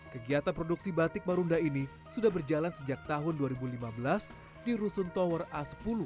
kegiatan produksi batik marunda ini sudah berjalan sejak tahun dua ribu lima belas di rusun tower a sepuluh